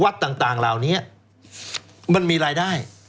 วัดต่างต่างเหล่านี้มันมีรายได้